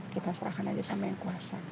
kita serahkan aja sama yang kuasa